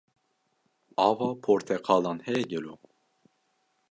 Ava porteqalan heye gelo?